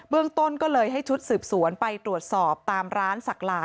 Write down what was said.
เรื่องต้นก็เลยให้ชุดสืบสวนไปตรวจสอบตามร้านศักหลา